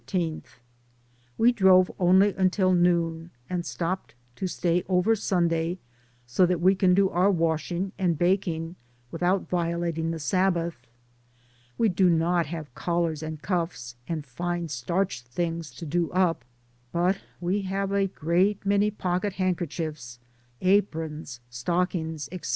We drove only until noon, and stopped to stay over Sunday, so that we can do our washing and baking, without violating the Sabbath. We do not have collars and cuffs, and fine starched things to do up, but we have a great many pocket handkerchiefs, aprons, stockings, etc.